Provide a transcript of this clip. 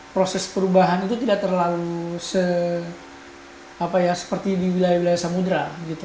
proses perubahan itu tidak terlalu seperti di wilayah wilayah samudera